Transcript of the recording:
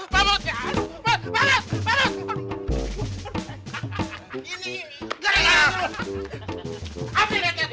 mamut jangan lo kesayangan